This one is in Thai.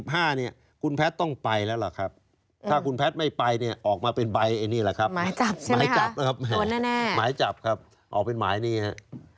หมายจับใช่ไหมครับหมายจับครับออกเป็นหมายนี้ครับ